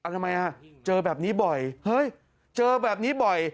ทำไมฮะเจอแบบนี้บ่อยเฮ้ยเจอแบบนี้บ่อย